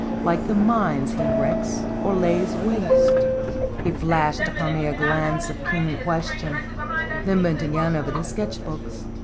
" Like the minds he wrecks or lays waste." He flashed upon me a glance of keen ques tion, then bent again over the sketch books.